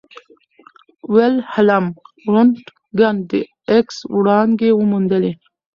ویلهلم رونټګن د ایکس وړانګې وموندلې.